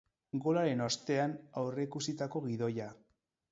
Golaren ostean, aurreikusitako gidoia.